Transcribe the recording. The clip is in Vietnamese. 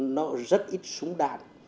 nó rất ít súng đạn